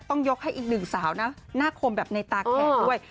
ต้องยกให้อีกหนึ่งสาวนะหน้าคมแบบในตาแขกด้วย